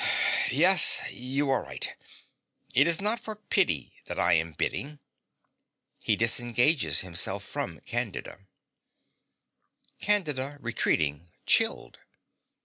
Yes: you are right. It is not for pity that I am bidding. (He disengages himself from Candida.) CANDIDA (retreating, chilled).